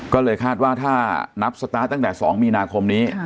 ก็เลยคาดว่าถ้านับสตาร์ทตั้งแต่๒มีนาคมนี้